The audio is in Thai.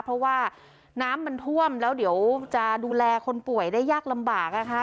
เพราะว่าน้ำมันท่วมแล้วเดี๋ยวจะดูแลคนป่วยได้ยากลำบากนะคะ